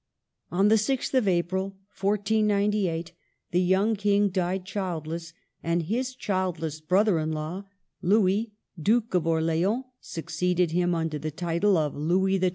On the 6th of April, 1498, the young King died childless, and his childless brother in law, Louis, Duke of Orleans, succeeded him, under the title of Louis XII.